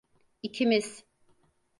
İkimiz.